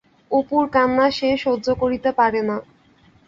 অপুর কান্না সে সহ্য করিতে পারে না।